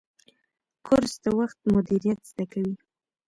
کورس د وخت مدیریت زده کوي.